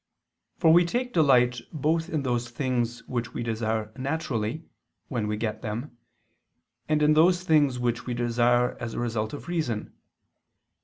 For we take delight both in those things which we desire naturally, when we get them, and in those things which we desire as a result of reason.